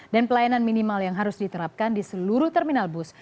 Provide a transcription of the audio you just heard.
dan pelayanan minimal yang harus diterapkan di seluruh terminal bus